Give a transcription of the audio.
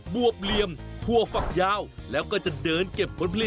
บวบเหลี่ยมถั่วฝักยาวแล้วก็จะเดินเก็บผลผลิต